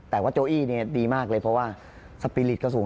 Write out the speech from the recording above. แต่ว่าโจอี้เนี่ยดีมากเลยเพราะว่าสปีริตก็สูง